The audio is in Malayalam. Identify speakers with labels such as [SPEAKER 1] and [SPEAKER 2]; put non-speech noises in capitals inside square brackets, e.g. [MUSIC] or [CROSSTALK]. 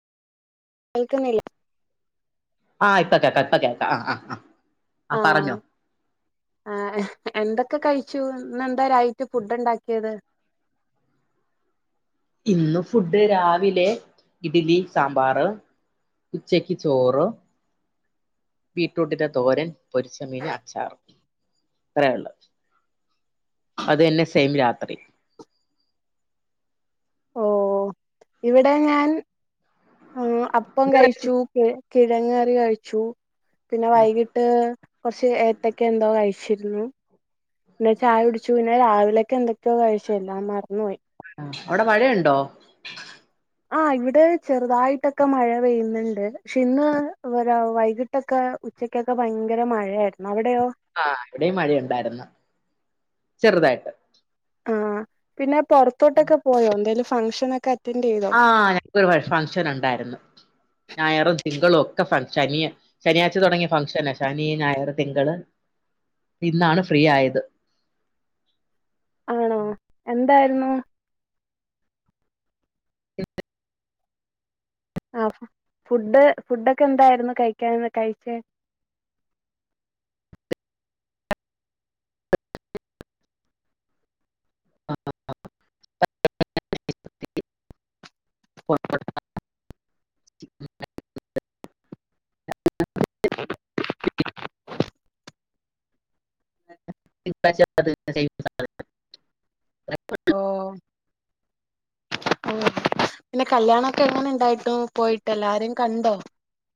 [SPEAKER 1] കേൾക്കുന്നില്ലേ
[SPEAKER 2] ആഹ് ഇപ്പൊ കേക്കാം ഇപ്പൊ കേക്കാം ആ ആ
[SPEAKER 1] ആഹ ആ എന്തൊക്കെ കഴിച്ചു ഇന്ന് എന്താ.. രായിട്ട് ഫുഡ് ഉണ്ടാക്കിയത്
[SPEAKER 2] ഇന്ന് ഫുഡ് രാവിലെ ഇഡ്ലി സാമ്പാറ് ഉച്ചക്ക് ചോറ് ബീട്രൂട്ടിന്റെ തോരൻ പൊരിച്ചമീന് അച്ചാറും അത്രേ ഉള്ളു അതന്നെ സെയിം രാത്രി
[SPEAKER 1] ഓ ഇവിടെ ഞാൻ ആ അപ്പം കഴിച്ചു കെ കിഴങ്ങുകറി കഴിച്ചു പിന്നെ വൈകിട്ട് കുറച്ച് ഏത്തക്ക എന്തോ കഴിച്ച ച്ചിരുന്നു പിന്നെ ചായ കുടിച്ചു പിന്നെ രാവിലെക്കെഎന്തോക്കയോ കഴിച്ചു എല്ലാംമറന്നുപോയി
[SPEAKER 2] ഔടെ മഴയുണ്ടോ
[SPEAKER 1] ആ ഇവിടെ ചെറുതായിട്ടൊക്കെ മഴ പെയ്യുന്നുണ്ട് ക്ഷെ ഇന്ന് വൈകിട്ടൊക്കെ ഉച്ചക്കൊക്കെ ഭയങ്കര മഴയായിരുന്നു അവിടെയോ
[SPEAKER 2] ആഹ വിടെയും മഴയുണ്ടായിരുന്നു ചെറുതായിട്ട്
[SPEAKER 1] ആ പിന്നെ പൊറത്തോട്ടക്കെ പോയോ എന്തേലും ഫംഗഷനൊക്കെ അ
[SPEAKER 2] ആ ഞങ്ങക്കര് ഫംഗഷൻ ഉണ്ടായിരുന്നു ഞായരു തിങ്കളൊക്കെ ഫങ്ക്ഷനാ ശനിയാഴ്ച്ച തുടങ്ങിയ ഫങ്ക്ഷന ശനി ഞായർ തിങ്കള് ഇന്നാണ് ഫ്രീ ആയത്
[SPEAKER 1] ആണോ എന്തായിരുന്നു ആ ഫുഡ് ഫുഡൊക്കെ എന്തായിരുന്നു കഴിക്കാള്ളത് കഴിച്ചേയ്
[SPEAKER 2] [INAUDIBLE] [INAUDIBLE] ആ [UNINTELLIGIBLE] [INAUDIBLE] [INAUDIBLE]
[SPEAKER 1] [INAUDIBLE] ഓ
[SPEAKER 2] [UNINTELLIGIBLE]
[SPEAKER 1] പിന്നെ കല്യാണൊക്കെ എങ്ങനെ ഇണ്ടായിട്ടും പോയിട്ട് എല്ലാരിം കണ്ടോ